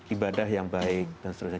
ibadah yang baik dan seterusnya